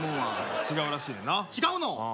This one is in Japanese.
違うらしいねんな違うの？